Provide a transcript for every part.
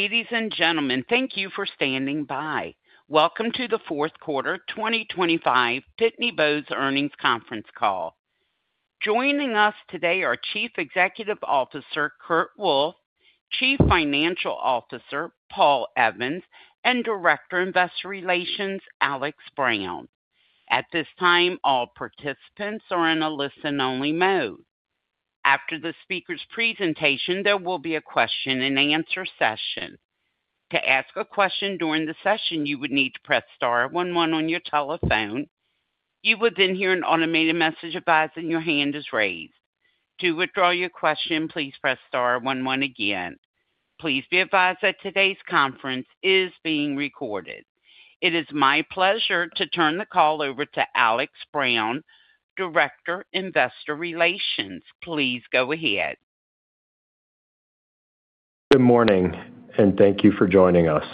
Ladies and gentlemen, thank you for standing by. Welcome to the fourth quarter 2025 Pitney Bowes Earnings Conference Call. Joining us today are Chief Executive Officer Kurt Wolf, Chief Financial Officer Paul Evans, and Director Investor Relations Alex Brown. At this time, all participants are in a listen-only mode. After the speaker's presentation, there will be a question-and-answer session. To ask a question during the session, you would need to press star one one on your telephone. You will then hear an automated message advising your hand is raised. To withdraw your question, please press star one one again. Please be advised that today's conference is being recorded. It is my pleasure to turn the call over to Alex Brown, Director, Investor Relations. Please go ahead. Good morning, and thank you for joining us.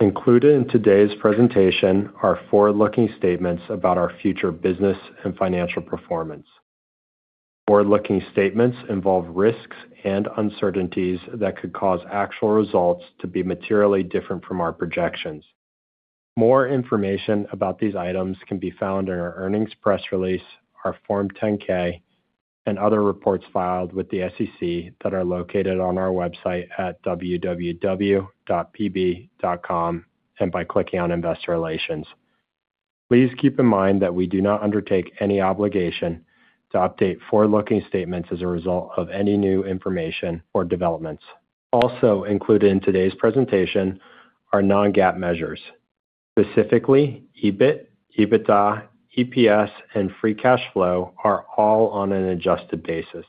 Included in today's presentation are forward-looking statements about our future business and financial performance. Forward-looking statements involve risks and uncertainties that could cause actual results to be materially different from our projections. More information about these items can be found in our earnings press release, our Form 10-K, and other reports filed with the SEC that are located on our website at www.pb.com, and by clicking on Investor Relations. Please keep in mind that we do not undertake any obligation to update forward-looking statements as a result of any new information or developments. Also included in today's presentation are non-GAAP measures. Specifically, EBIT, EBITDA, EPS, and free cash flow are all on an adjusted basis.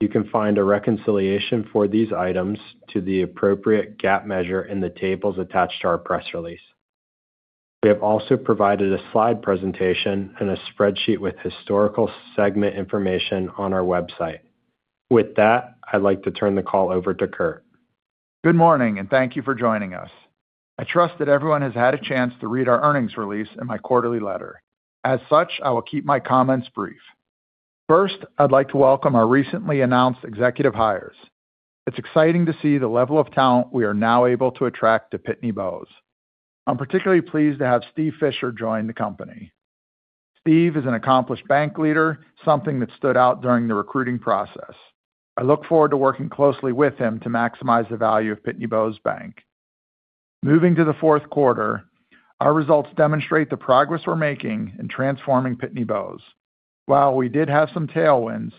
You can find a reconciliation for these items to the appropriate GAAP measure in the tables attached to our press release. We have also provided a slide presentation and a spreadsheet with historical segment information on our website. With that, I'd like to turn the call over to Kurt. Good morning, and thank you for joining us. I trust that everyone has had a chance to read our earnings release and my quarterly letter. As such, I will keep my comments brief. First, I'd like to welcome our recently announced executive hires. It's exciting to see the level of talent we are now able to attract to Pitney Bowes. I'm particularly pleased to have Steve Fischer join the company. Steve is an accomplished bank leader, something that stood out during the recruiting process. I look forward to working closely with him to maximize the value of Pitney Bowes Bank. Moving to the fourth quarter, our results demonstrate the progress we're making in transforming Pitney Bowes. While we did have some tailwinds,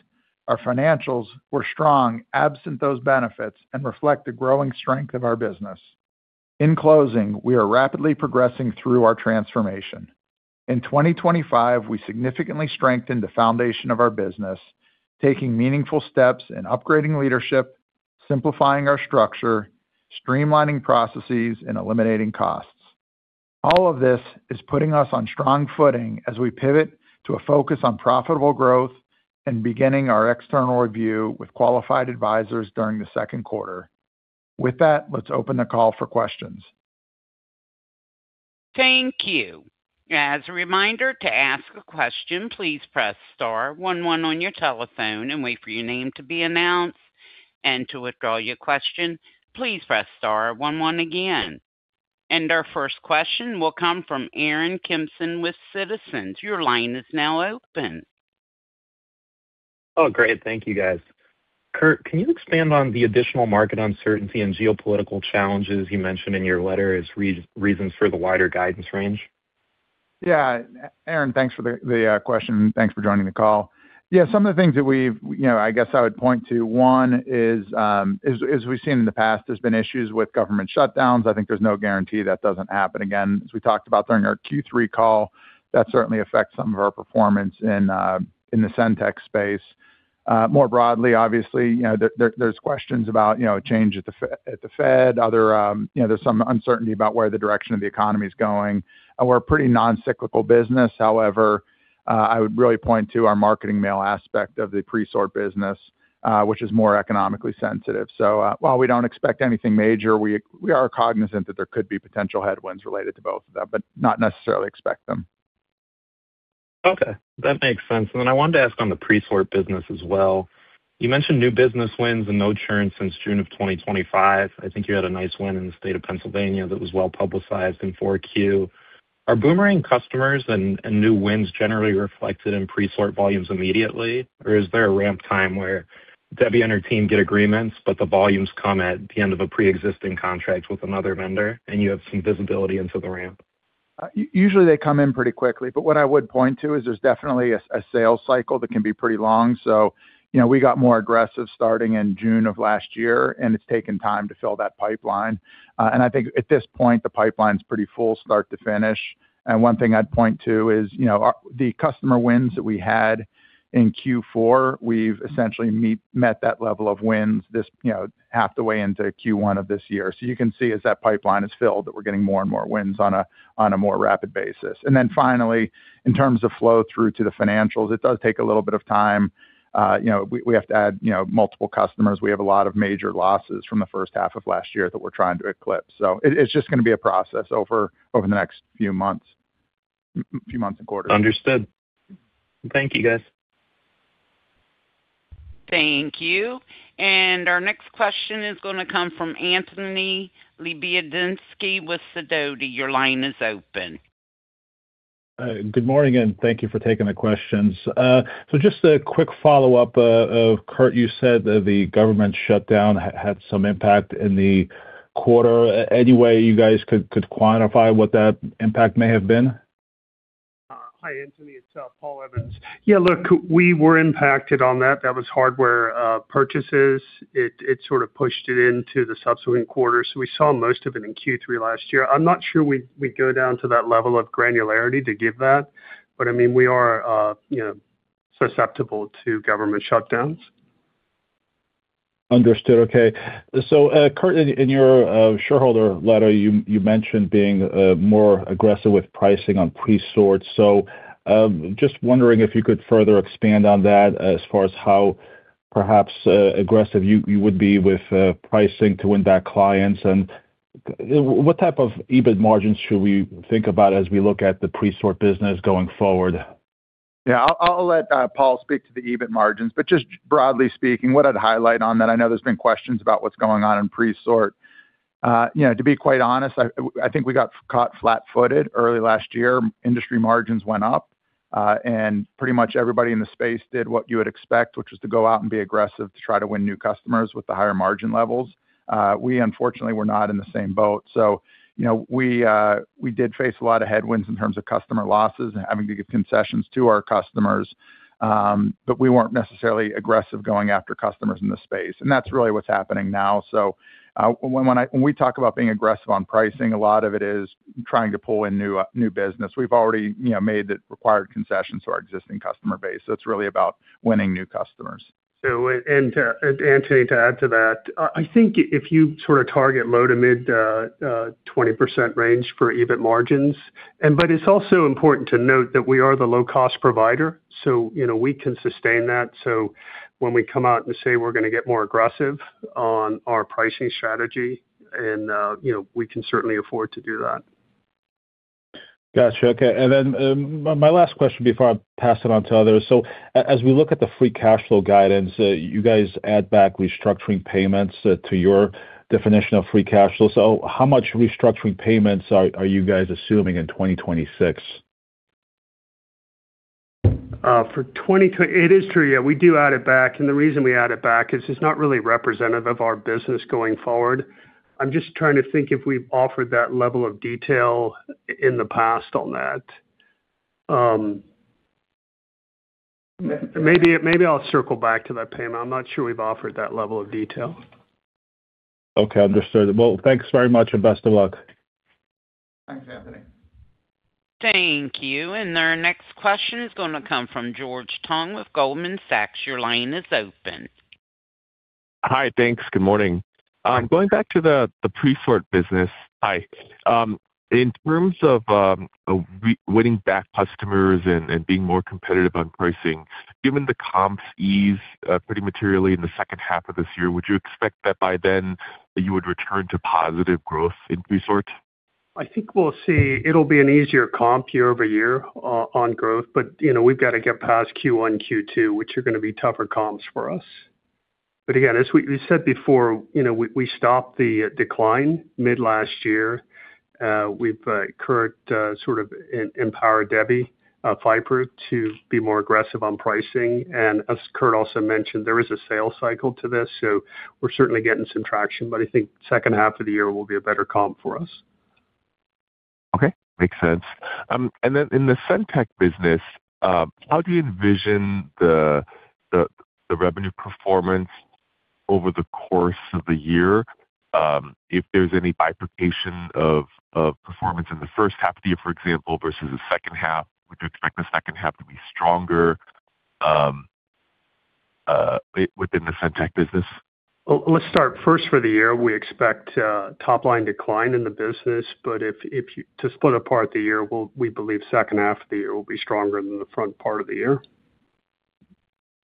our financials were strong, absent those benefits, and reflect the growing strength of our business. In closing, we are rapidly progressing through our transformation. In 2025, we significantly strengthened the foundation of our business, taking meaningful steps in upgrading leadership, simplifying our structure, streamlining processes, and eliminating costs. All of this is putting us on strong footing as we pivot to a focus on profitable growth and beginning our external review with qualified advisors during the second quarter. With that, let's open the call for questions. Thank you. As a reminder, to ask a question, please press star one one on your telephone and wait for your name to be announced, and to withdraw your question, please press star one one again. Our first question will come from Aaron Kimson with Citizens. Your line is now open. Oh, great. Thank you, guys. Kurt, can you expand on the additional market uncertainty and geopolitical challenges you mentioned in your letter as reasons for the wider guidance range? Yeah, Aaron, thanks for the question. Thanks for joining the call. Yeah, some of the things that we've... You know, I guess I would point to one is, as we've seen in the past, there's been issues with government shutdowns. I think there's no guarantee that doesn't happen again. As we talked about during our Q3 call, that certainly affects some of our performance in the SendTech space. More broadly, obviously, you know, there's questions about a change at the Fed. Other, you know, there's some uncertainty about where the direction of the economy is going. We're a pretty non-cyclical business. However, I would really point to our marketing mail aspect of the presort business, which is more economically sensitive. So, while we don't expect anything major, we are cognizant that there could be potential headwinds related to both of them, but not necessarily expect them. Okay, that makes sense. And then I wanted to ask on the presort business as well. You mentioned new business wins and no churn since June of 2025. I think you had a nice win in the state of Pennsylvania that was well-publicized in four Q. Are boomerang customers and, and new wins generally reflected in presort volumes immediately, or is there a ramp time where Debbie and her team get agreements, but the volumes come at the end of a preexisting contract with another vendor, and you have some visibility into the ramp? Usually they come in pretty quickly, but what I would point to is there's definitely a sales cycle that can be pretty long. So, you know, we got more aggressive starting in June of last year, and it's taken time to fill that pipeline. And I think at this point, the pipeline's pretty full start to finish. And one thing I'd point to is, you know, the customer wins that we had in Q4, we've essentially met that level of wins this, you know, half the way into Q1 of this year. So you can see as that pipeline is filled, that we're getting more and more wins on a more rapid basis. And then finally, in terms of flow through to the financials, it does take a little bit of time. You know, we have to add, you know, multiple customers. We have a lot of major losses from the first half of last year that we're trying to eclipse. So it's just going to be a process over the next few months and quarters. Understood. Thank you, guys. Thank you. Our next question is going to come from Anthony Lebiedzinski with Sidoti. Your line is open. Good morning, and thank you for taking the questions. Just a quick follow-up. Kurt, you said that the government shutdown had some impact in the quarter. Any way you guys could quantify what that impact may have been? Hi, Anthony. It's Paul Evans. Yeah, look, we were impacted on that. That was hardware purchases. It sort of pushed it into the subsequent quarter. So we saw most of it in Q3 last year. I'm not sure we'd go down to that level of granularity to give that, but I mean, we are, you know, susceptible to government shutdowns. Understood. Okay. So, Kurt, in your shareholder letter, you mentioned being more aggressive with pricing on Presort. So, just wondering if you could further expand on that as far as how perhaps aggressive you would be with pricing to win back clients, and what type of EBIT margins should we think about as we look at the Presort business going forward? Yeah, I'll let Paul speak to the EBIT margins. But just broadly speaking, what I'd highlight on that, I know there's been questions about what's going on in Presort. You know, to be quite honest, I think we got caught flat-footed early last year. Industry margins went up, and pretty much everybody in the space did what you would expect, which was to go out and be aggressive to try to win new customers with the higher margin levels. We unfortunately were not in the same boat. So, you know, we did face a lot of headwinds in terms of customer losses and having to give concessions to our customers. But we weren't necessarily aggressive going after customers in the space, and that's really what's happening now. So, when we talk about being aggressive on pricing, a lot of it is trying to pull in new business. We've already, you know, made the required concessions to our existing customer base, so it's really about winning new customers. So, Anthony, to add to that, I think if you sort of target low-to-mid 20% range for EBIT margins. But it's also important to note that we are the low-cost provider, so, you know, we can sustain that. So when we come out and say we're going to get more aggressive on our pricing strategy, and, you know, we can certainly afford to do that. Got you. Okay. Then, my last question before I pass it on to others. So as we look at the free cash flow guidance, you guys add back restructuring payments to your definition of free cash flow. So how much restructuring payments are you guys assuming in 2026? For 20, it is true, yeah, we do add it back. And the reason we add it back is it's not really representative of our business going forward. I'm just trying to think if we've offered that level of detail in the past on that. Maybe, maybe I'll circle back to that, payment. I'm not sure we've offered that level of detail. Okay, understood. Well, thanks very much, and best of luck. Thanks, Anthony. Thank you. And our next question is going to come from George Tong with Goldman Sachs. Your line is open. Hi, thanks. Good morning. Going back to the Presort business. Hi. In terms of winning back customers and being more competitive on pricing, given the comps ease pretty materially in the second half of this year, would you expect that by then you would return to positive growth in Presort? I think we'll see. It'll be an easier comp year over year on, on growth, but, you know, we've got to get past Q1, Q2, which are going to be tougher comps for us. But again, as we, we said before, you know, we, we stopped the decline mid last year. We've Kurt sort of empowered Debbie Pfeiffer to be more aggressive on pricing. And as Kurt also mentioned, there is a sales cycle to this, so we're certainly getting some traction, but I think second half of the year will be a better comp for us. Okay, makes sense. And then in the SendTech business, how do you envision the revenue performance over the course of the year? If there's any bifurcation of performance in the first half of the year, for example, versus the second half, would you expect the second half to be stronger within the SendTech business? Well, let's start first for the year. We expect a top-line decline in the business, but to split apart the year, we believe second half of the year will be stronger than the front part of the year.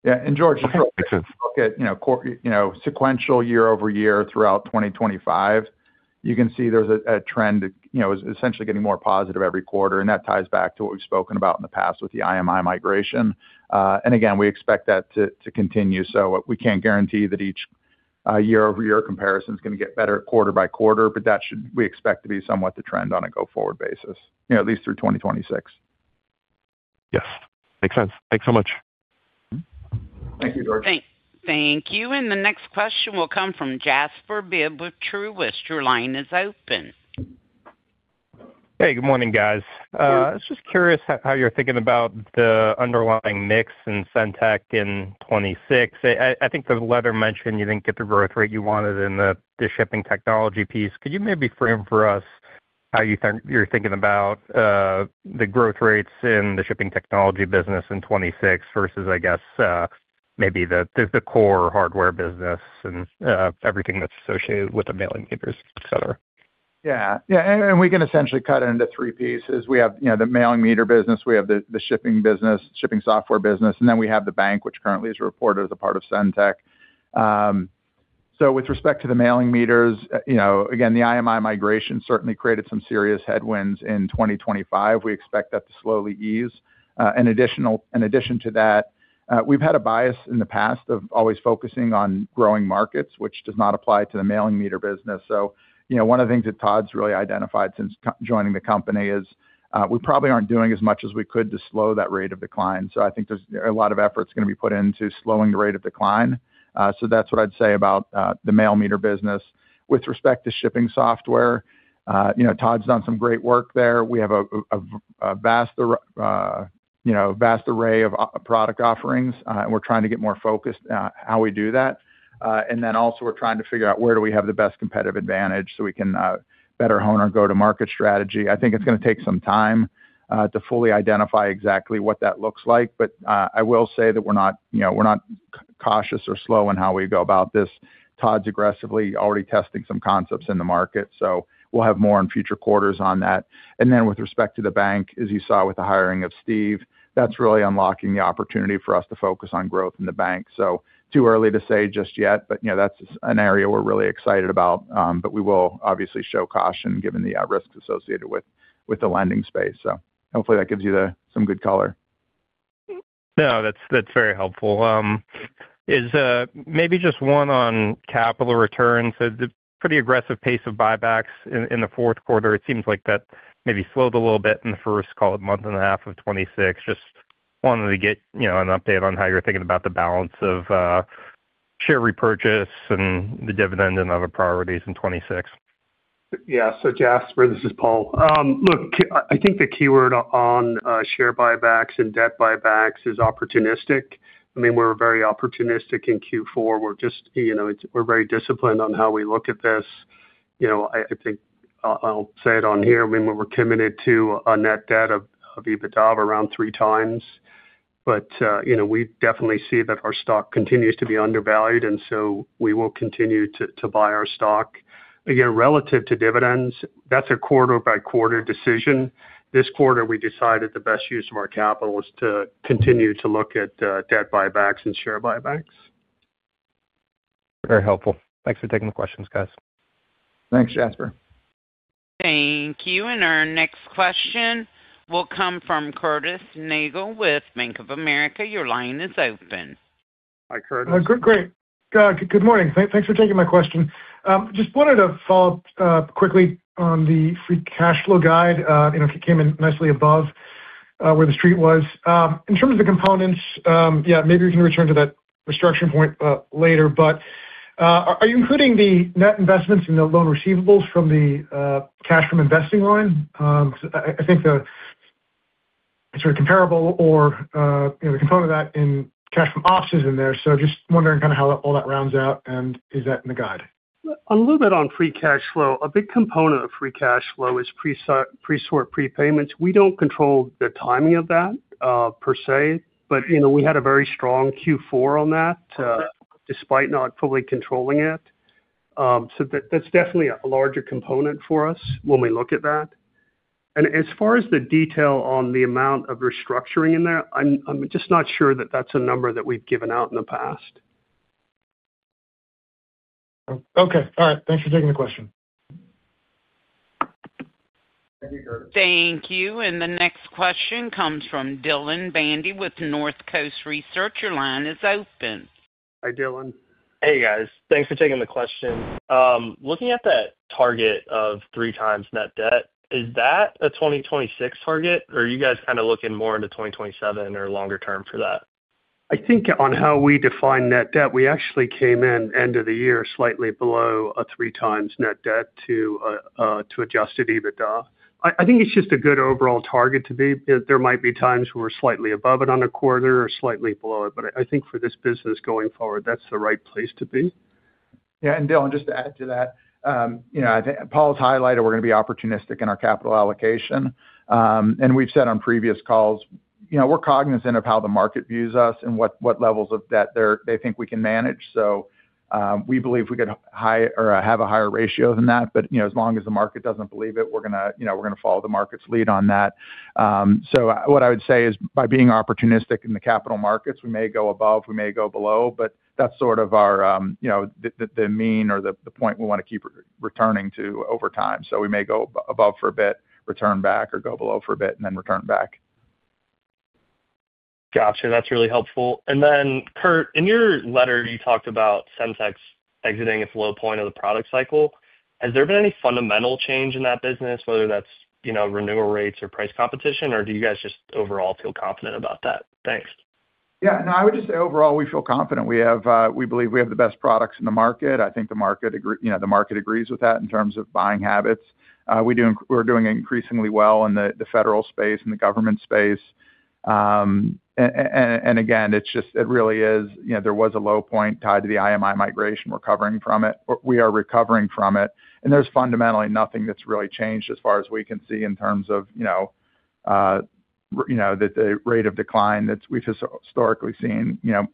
Yeah, and George- Makes sense. Look at, you know, you know, sequential year-over-year throughout 2025, you can see there's a trend, you know, essentially getting more positive every quarter, and that ties back to what we've spoken about in the past with the IMI migration. And again, we expect that to continue. So we can't guarantee that each year-over-year comparison is going to get better quarter by quarter, but that should we expect to be somewhat the trend on a go-forward basis, you know, at least through 2026. Yes, makes sense. Thanks so much. Thank you, George. Thank you. The next question will come from Jasper Bibb with Truist. Your line is open. Hey, good morning, guys. I was just curious how you're thinking about the underlying mix in SendTech in 2026. I think the letter mentioned you didn't get the growth rate you wanted in the shipping technology piece. Could you maybe frame for us how you think you're thinking about the growth rates in the shipping technology business in 2026 versus, I guess, maybe the core hardware business and everything that's associated with the mailing meters, et cetera? Yeah. Yeah, and, and we can essentially cut it into three pieces. We have, you know, the mailing meter business, we have the, the shipping business, shipping software business, and then we have the bank, which currently is reported as a part of SendTech. So with respect to the mailing meters, you know, again, the IMI migration certainly created some serious headwinds in 2025. We expect that to slowly ease. In addition to that, we've had a bias in the past of always focusing on growing markets, which does not apply to the mailing meter business. So, you know, one of the things that Todd's really identified since joining the company is, we probably aren't doing as much as we could to slow that rate of decline. So I think there's a lot of effort is gonna be put into slowing the rate of decline. So that's what I'd say about the mail meter business. With respect to shipping software, you know, Todd's done some great work there. We have a vast array of product offerings, and we're trying to get more focused on how we do that. And then also we're trying to figure out where do we have the best competitive advantage so we can better hone our go-to-market strategy. I think it's gonna take some time to fully identify exactly what that looks like. But I will say that we're not, you know, we're not cautious or slow in how we go about this. Todd's aggressively already testing some concepts in the market, so we'll have more in future quarters on that. And then with respect to the bank, as you saw with the hiring of Steve, that's really unlocking the opportunity for us to focus on growth in the bank. So too early to say just yet, but, you know, that's an area we're really excited about, but we will obviously show caution given the risks associated with the lending space. So hopefully that gives you some good color. No, that's, that's very helpful. Is maybe just one on capital returns. A pretty aggressive pace of buybacks in the fourth quarter. It seems like that maybe slowed a little bit in the first, call it, month and a half of 2026. Just wanted to get, you know, an update on how you're thinking about the balance of share repurchase and the dividend and other priorities in 2026. Yeah. So Jasper, this is Paul. Look, I think the keyword on share buybacks and debt buybacks is opportunistic. I mean, we're very opportunistic in Q4. We're just, you know, it's – we're very disciplined on how we look at this. You know, I think I'll say it on here. I mean, we're committed to a net debt to EBITDA around 3x, but you know, we definitely see that our stock continues to be undervalued, and so we will continue to buy our stock. Again, relative to dividends, that's a quarter-by-quarter decision. This quarter, we decided the best use of our capital was to continue to look at debt buybacks and share buybacks. Very helpful. Thanks for taking the questions, guys. Thanks, Jasper. Thank you. And our next question will come from Curtis Nagle with Bank of America. Your line is open. Hi, Curtis. Great. Good morning. Thanks for taking my question. Just wanted to follow up quickly on the free cash flow guide. You know, it came in nicely above where the street was. In terms of the components, yeah, maybe we can return to that restructuring point later, but are you including the net investments in the loan receivables from the cash from investing line? So I think the sort of comparable or you know, the component of that in cash from ops is in there. So just wondering kind of how all that rounds out, and is that in the guide? A little bit on free cash flow. A big component of free cash flow is presort prepayments. We don't control the timing of that, per se, but, you know, we had a very strong Q4 on that, despite not fully controlling it. So that, that's definitely a larger component for us when we look at that. And as far as the detail on the amount of restructuring in there, I'm just not sure that that's a number that we've given out in the past. Okay. All right. Thanks for taking the question. Thank you, Curtis. Thank you. The next question comes from Dillon Bandi with Northcoast Research. Your line is open. Hi, Dillon. Hey, guys. Thanks for taking the question. Looking at that target of 3x net debt, is that a 2026 target, or are you guys kind of looking more into 2027 or longer term for that? I think on how we define Net Debt, we actually came in end of the year slightly below 3x Net Debt to Adjusted EBITDA. I think it's just a good overall target to be. There might be times we're slightly above it on a quarter or slightly below it, but I think for this business going forward, that's the right place to be. Yeah, and Dillon, just to add to that, you know, I think Paul's highlighted we're going to be opportunistic in our capital allocation. And we've said on previous calls, you know, we're cognizant of how the market views us and what levels of debt they think we can manage. So, we believe we get a high or have a higher ratio than that, but, you know, as long as the market doesn't believe it, we're gonna, you know, we're gonna follow the market's lead on that. So what I would say is, by being opportunistic in the capital markets, we may go above, we may go below, but that's sort of our, you know, the mean or the point we want to keep returning to over time. We may go above for a bit, return back, or go below for a bit, and then return back. Got you. That's really helpful. And then, Kurt, in your letter, you talked about SendTech exiting its low point of the product cycle. Has there been any fundamental change in that business, whether that's, you know, renewal rates or price competition, or do you guys just overall feel confident about that? Thanks. Yeah. No, I would just say overall, we feel confident. We have, we believe we have the best products in the market. I think the market agree, you know, the market agrees with that in terms of buying habits. We're doing, we're doing increasingly well in the federal space and the government space. And again, it's just, it really is. You know, there was a low point tied to the IMI Migration, we're recovering from it. We are recovering from it, and there's fundamentally nothing that's really changed as far as we can see in terms of, you know, you know, the rate of decline that we've just historically seen, you know,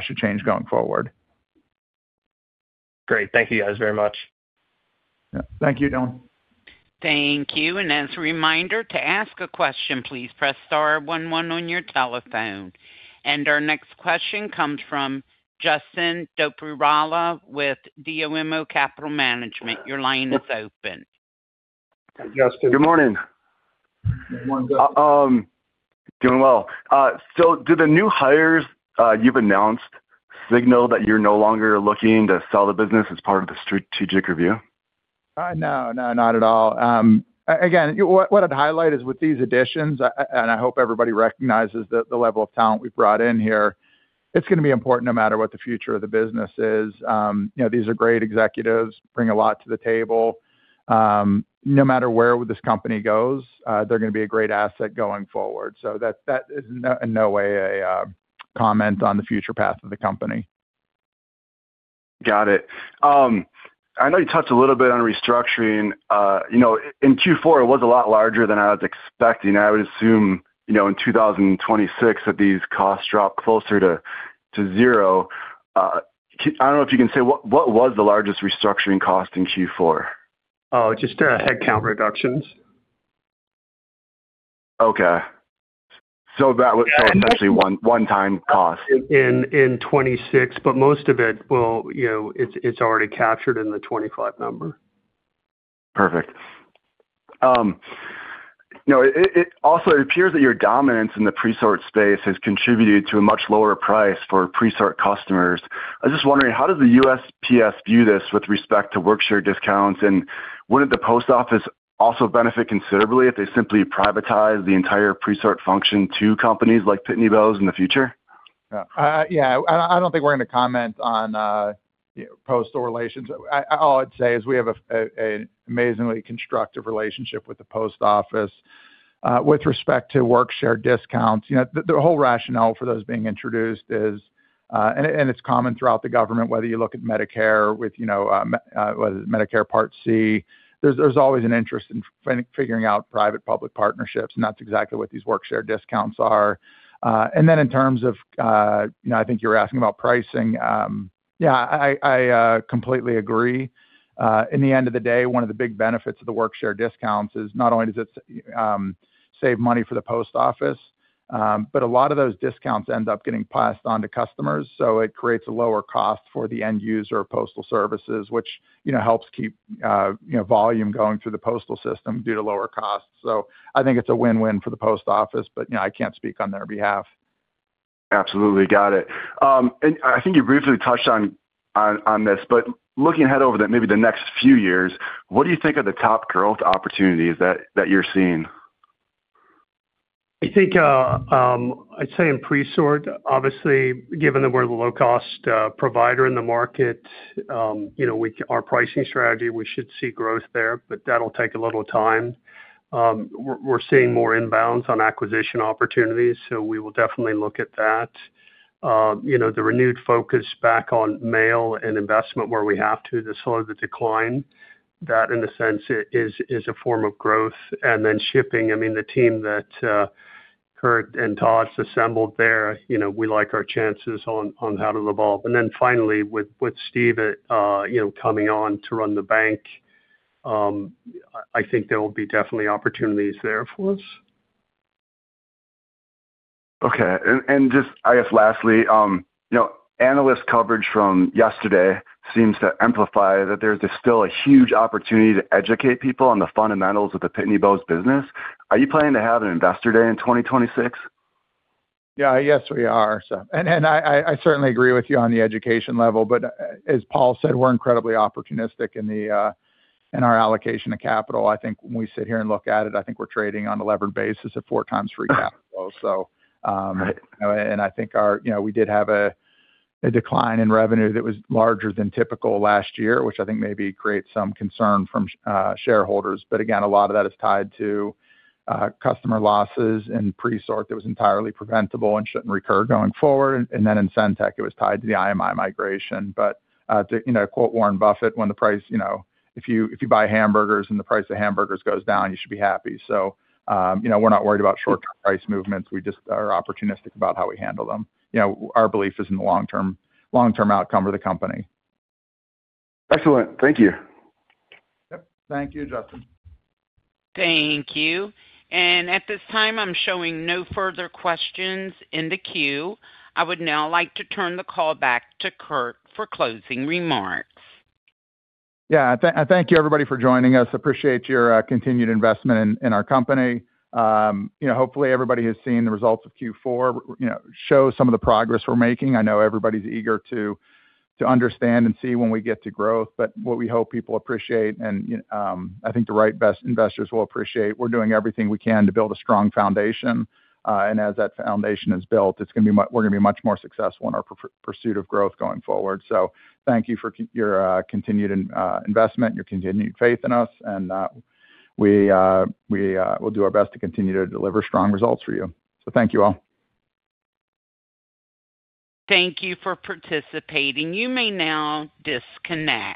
should change going forward. Great. Thank you, guys, very much. Thank you, Dillon. Thank you. As a reminder, to ask a question, please press star one one on your telephone. Our next question comes from Justin Dopierala with DOMO Capital Management. Your line is open. Justin. Good morning. Good morning. Doing well. So do the new hires you've announced signal that you're no longer looking to sell the business as part of the strategic review? No, no, not at all. Again, what I'd highlight is with these additions, and I hope everybody recognizes the level of talent we've brought in here, it's gonna be important no matter what the future of the business is. You know, these are great executives, bring a lot to the table. No matter where this company goes, they're gonna be a great asset going forward. So that is no, in no way a comment on the future path of the company. Got it. I know you touched a little bit on restructuring. You know, in Q4, it was a lot larger than I was expecting. I would assume, you know, in 2026, that these costs drop closer to, to zero. I don't know if you can say, what, what was the largest restructuring cost in Q4? Oh, just, headcount reductions. Okay. So that was essentially one-time cost. In 2026, but most of it will, you know, it's already captured in the 2025 number. Perfect. You know, it also appears that your dominance in the presort space has contributed to a much lower price for presort customers. I was just wondering, how does the USPS view this with respect to Workshare discounts, and wouldn't the Post Office also benefit considerably if they simply privatized the entire presort function to companies like Pitney Bowes in the future? Yeah. Yeah, I don't think we're going to comment on postal relations. All I'd say is we have an amazingly constructive relationship with the Post Office. With respect to Workshare discounts, you know, the whole rationale for those being introduced is and it's common throughout the government, whether you look at Medicare with, you know, whether it's Medicare Part C, there's always an interest in figuring out private-public partnerships, and that's exactly what these Workshare discounts are. And then in terms of, you know, I think you're asking about pricing, yeah, I completely agree. In the end of the day, one of the big benefits of the Workshare discounts is not only does it save money for the Post Office, but a lot of those discounts end up getting passed on to customers, so it creates a lower cost for the end user postal services, which, you know, helps keep, you know, volume going through the postal system due to lower costs. So I think it's a win-win for the Post Office, but, you know, I can't speak on their behalf. Absolutely. Got it. And I think you briefly touched on this, but looking ahead over the, maybe the next few years, what do you think are the top growth opportunities that you're seeing? I think, I'd say in presort, obviously, given that we're the low-cost provider in the market, you know, we, our pricing strategy, we should see growth there, but that'll take a little time. We're seeing more inbounds on acquisition opportunities, so we will definitely look at that. You know, the renewed focus back on mail and investment, where we have to slow the decline, that in a sense is a form of growth. And then shipping, I mean, the team that Kurt and Todd assembled there, you know, we like our chances on how to evolve. And then finally, with Steve, you know, coming on to run the bank, I think there will be definitely opportunities there for us. Okay. And just I guess lastly, you know, analyst coverage from yesterday seems to amplify that there's still a huge opportunity to educate people on the fundamentals of the Pitney Bowes business. Are you planning to have an investor day in 2026? Yeah. Yes, we are. So... And, and I, I certainly agree with you on the education level, but as Paul said, we're incredibly opportunistic in our allocation of capital. I think when we sit here and look at it, I think we're trading on a levered basis at 4 times free cash flow. So, and I think our, you know, we did have a decline in revenue that was larger than typical last year, which I think maybe creates some concern from shareholders. But again, a lot of that is tied to customer losses and presort that was entirely preventable and shouldn't recur going forward. And then in SendTech, it was tied to the IMI migration. But, to, you know, quote Warren Buffett, when the price, you know, if you, if you buy hamburgers and the price of hamburgers goes down, you should be happy. So, you know, we're not worried about short-term price movements. We just are opportunistic about how we handle them. You know, our belief is in the long-term, long-term outcome of the company. Excellent. Thank you. Yep. Thank you, Justin. Thank you. At this time, I'm showing no further questions in the queue. I would now like to turn the call back to Kurt for closing remarks. Yeah, thank you, everybody, for joining us. Appreciate your continued investment in our company. You know, hopefully, everybody has seen the results of Q4, you know, show some of the progress we're making. I know everybody's eager to understand and see when we get to growth, but what we hope people appreciate, and I think the right best investors will appreciate, we're doing everything we can to build a strong foundation. And as that foundation is built, it's gonna be much more successful in our pursuit of growth going forward. So thank you for your continued investment, your continued faith in us, and we will do our best to continue to deliver strong results for you. So thank you all. Thank you for participating. You may now disconnect.